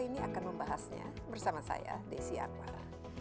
ini akan membahasnya bersama saya desy anwar